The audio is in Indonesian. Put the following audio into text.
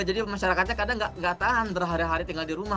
jadi masyarakatnya kadang tidak tahan berhari hari tinggal di rumah